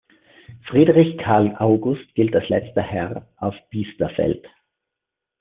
Friedrich Karl August gilt als letzter Herr auf Biesterfeld.